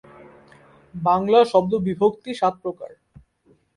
বাংলা শব্দ-বিভক্তি সাত প্রকার।